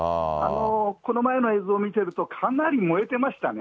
この前の映像見てると、かなり燃えてましたね。